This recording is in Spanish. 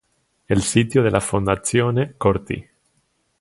El sitio de la Fondazione Corti